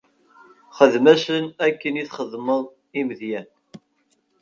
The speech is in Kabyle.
Xedm-asen akken i txedmeḍ i Midyan.